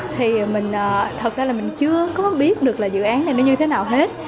thì mình thật ra là mình chưa có biết được là dự án này nó như thế nào hết